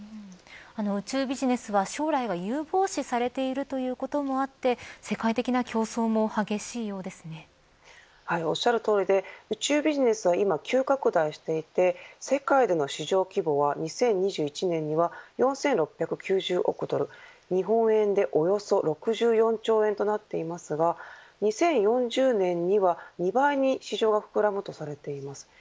宇宙ビジネスは将来が有望視されているということもあって世界的な競争もおっしゃるとおりで宇宙ビジネスは今急拡大していて世界での市場規模は２０２１年には４６９０億ドル日本円でおよそ６４兆円となっていますが２０４０年には２倍に市場が膨らむとされています。